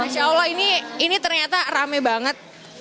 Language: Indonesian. masya allah ini ternyata rame banget